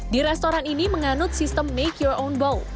di restoran ini menganut sistem make your on bowl